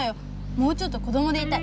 もうちょっと子どもでいたい。